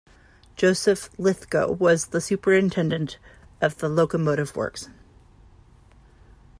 Joseph Lythgoe was the superintendent of the locomotive works.